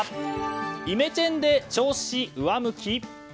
イメチェンで調子上向き？